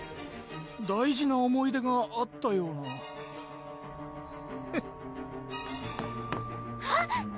大事な思い出があったようなフッあっ！